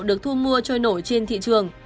được thu mua trôi nổi trên thị trường